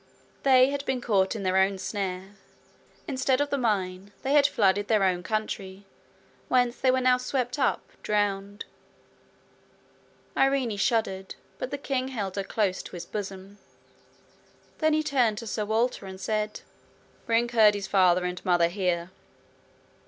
They had been caught in their own snare; instead of the mine they had flooded their own country, whence they were now swept up drowned. Irene shuddered, but the king held her close to his bosom. Then he turned to Sir Walter, and said: 'Bring Curdie's father and mother here.'